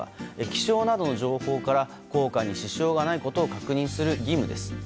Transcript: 気象などの情報から航海に支障がないことを確認する義務です。